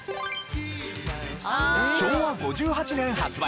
昭和５８年発売。